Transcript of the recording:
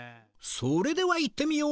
それでは行ってみよう！